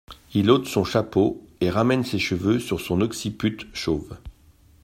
Il ôte son chapeau et ramène ses cheveux sur son occiput chauve.